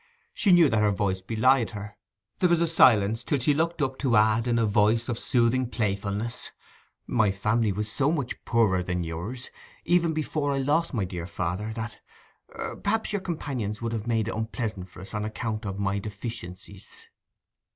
She knew that her voice belied her. There was a silence till she looked up to add, in a voice of soothing playfulness, 'My family was so much poorer than yours, even before I lost my dear father, that—perhaps your companions would have made it unpleasant for us on account of my deficiencies.